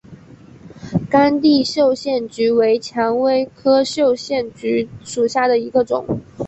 干地绣线菊为蔷薇科绣线菊属下的一个种。